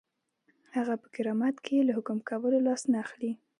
هغه پر کرامت له حکم کولو لاس نه اخلي.